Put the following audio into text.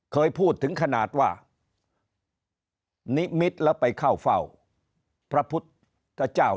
เคยพูดถึงขนาดว่านิมิตรแล้วไปเข้าเฝ้าพระพุทธเจ้า